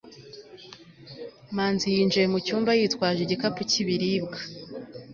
manzi yinjiye mu cyumba yitwaje igikapu cy'ibiribwa